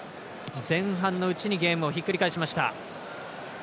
前半のうちにゲームをひっくり返しました。